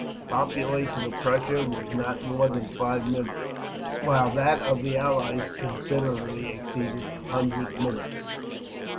The population of Prussia was not more than five millions, while that of the Allies considerably exceeded a hundred millions.